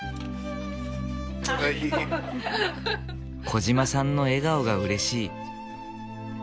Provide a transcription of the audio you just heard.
小嶋さんの笑顔がうれしい。